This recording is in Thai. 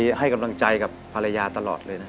ให้กำลังใจกับภรรยาตลอดเลยนะ